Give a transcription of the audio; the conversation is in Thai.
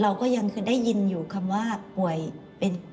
เราก็ยังคือได้ยินอยู่คำว่าป่วยเป็น